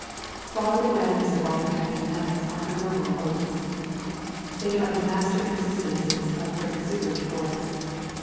Far the grandest of all Kentucky plants are her noble oaks. They are the master existences of her exuberant forests.